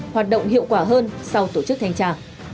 hoạt động hiệu quả hơn sau tổ chức thanh tra